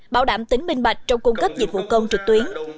bảo đảm tính minh bạch trong cung cấp dịch vụ công trực tuyến